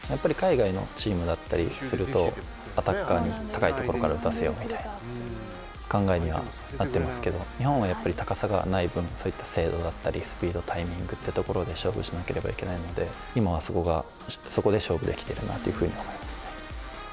アタッカーに高いところから打たせようみたいな考えになっているんですけど日本は高さがない分、そういった精度だったりスピード、タイミングというところで勝負しないといけないので今はそこで勝負できてるなというふうに思いますね。